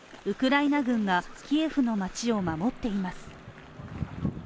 ウクライナ軍がキエフの街を守っています。